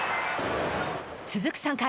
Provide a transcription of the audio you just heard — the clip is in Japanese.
続く３回。